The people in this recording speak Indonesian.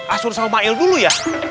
asur saumail dulu ya